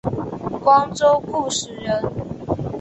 光州固始人。